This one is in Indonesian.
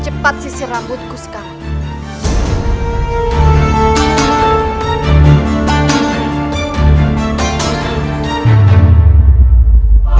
cepat sisir rambutku sekarang